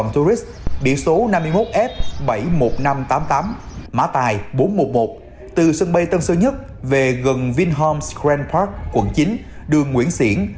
từ sân bay tân sơn nhất về gần vinh homs grand park quận chín đường nguyễn siễn